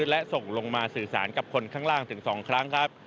และส่งลงมาสื่อสารกับคนข้างล่างถึง๒ครั้งครับ